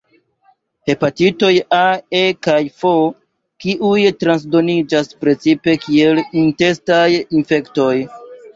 Hepatitoj A, E kaj F kiuj transdoniĝas precipe kiel intestaj infektoj.